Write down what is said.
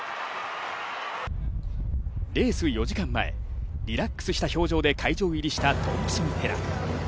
レース４時間前、リラックスした表情で会場入りしたトンプソン・ヘラ。